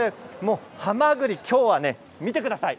はまぐり今日は、見てください。